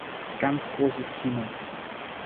Ganz großes Kino.